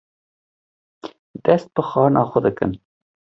dest bi xwarina xwe dikin.